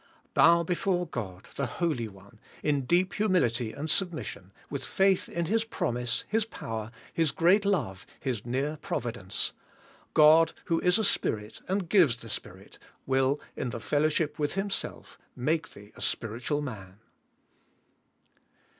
Bow before God, the Holy One, in deep humility and submission; with faith in His promise, His power, His great love, His near provi dence — God, who is a spirit and gives the Spirit, will, in the fellowship with Himself, make thee a spiritual man.